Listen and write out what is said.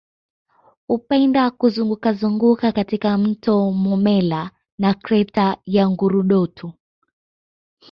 Hupenda kuzungukazunguka katika mto Momella na Kreta ya Ngurudoto